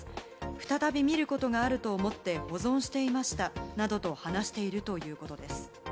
再び見ることがあると思って保存していましたなどと話しているということです。